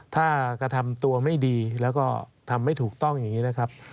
ถ้ากระทำตัวไม่ดีแล้วก็ทำไม่ถูกต้องอย่างนี้นะครับ